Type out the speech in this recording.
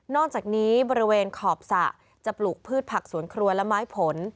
อกจากนี้บริเวณขอบสระจะปลูกพืชผักสวนครัวและไม้ผล